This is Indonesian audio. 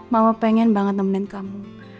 mama pengen banget nemenin kamu